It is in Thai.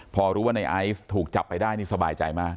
พอรู้ว่าในไอซ์ถูกจับไปได้นี่สบายใจมาก